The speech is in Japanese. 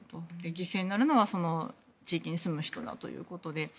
犠牲になるのは地域に住む人だということで。